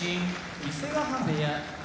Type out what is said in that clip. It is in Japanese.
伊勢ヶ濱部屋